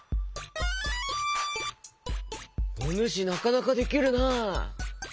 おぬしなかなかできるな。